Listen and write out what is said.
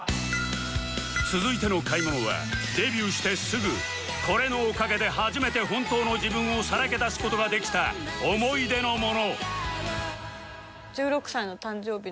続いての買い物はデビューしてすぐこれのおかげで初めて本当の自分をさらけ出す事ができた思い出のもの